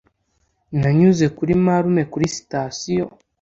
Nanyuze kuri marume kuri sitasiyo.